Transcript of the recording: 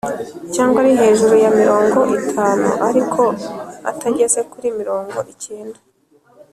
Cyangwa ari hejuru ya mirongo itanu ariko atageze kuri mirongo icyenda